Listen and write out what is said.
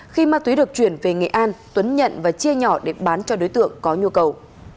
khi ma túy được chuyển về nghệ an tuấn nhận và chia nhỏ để bán cho đối tượng có nhu cầu